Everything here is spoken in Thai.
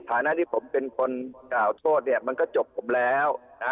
ถ่านะที่ผมเป็นคนเปล่าโทษเนี่ยมันก็จบแล้ว